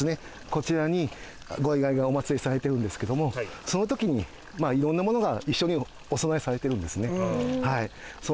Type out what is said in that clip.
こちらにご遺骸がお祭りされているんですけどもその時に色んな物が一緒にお供えされてるんですね。